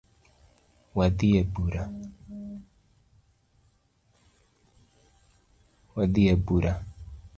Wadhi ebura